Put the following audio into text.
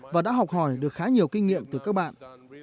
và đã học hỏi được khá nhiều kinh nghiệm từ các bạn